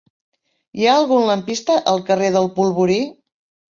Hi ha algun lampista al carrer del Polvorí?